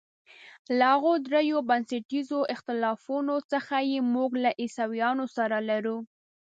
له هغو درېیو بنسټیزو اختلافونو څخه چې موږ له عیسویانو سره لرو.